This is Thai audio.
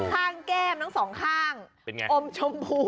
ข้างแก้มทั้งสองข้างอมชมพู